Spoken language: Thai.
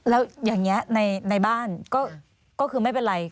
แล้วอย่างนี้ในบ้านก็คือไม่เป็นไร